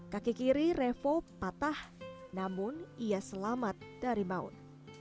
kaki kiri revo patah namun ia selamat dari maut